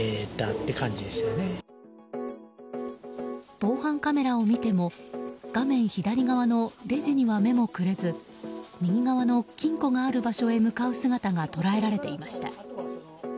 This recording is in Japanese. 防犯カメラを見ても画面左側のレジには目もくれず右側の金庫がある場所へ向かう姿が捉えられていました。